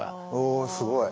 おすごい。